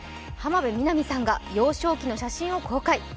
浜辺美波さんが幼少期の写真を公開。